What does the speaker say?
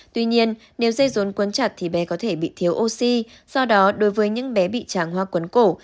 tuy nhiên nếu dây rốn quấn chặt thì bé có thể bị thiếu oxy do đó đối với những bé bị tràng hoa quấn cổ